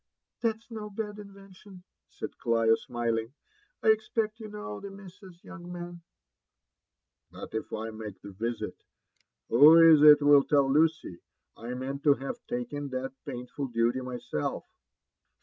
''That's no bad invention/' said CHo, smiling. ''I expect you know the Missas, young man." "But if I make this risit, who is it will tell Lucy?— •! nieant to have taken that painful duty myself."